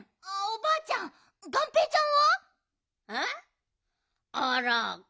おばあちゃんがんぺーちゃんは？